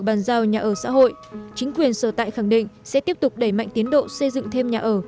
bàn giao nhà ở xã hội chính quyền sở tại khẳng định sẽ tiếp tục đẩy mạnh tiến độ xây dựng thêm nhà ở